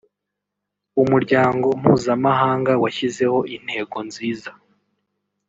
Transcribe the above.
umuryango mpuzamahanga washyizeho intego nziza